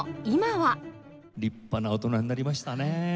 立派な大人になりましたね。